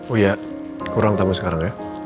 oh ya kurang tamu sekarang ya